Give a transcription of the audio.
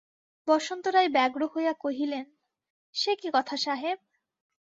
বসন্ত রায় ব্যগ্র হইয়া কহিলেন, সে কী কথা সাহেব?